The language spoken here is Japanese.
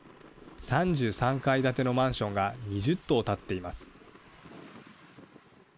３３階建てのマンションが２０棟、建っています。